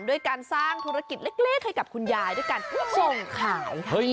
ด้วยการสร้างธุรกิจเล็กให้กับคุณยายด้วยการส่งขาย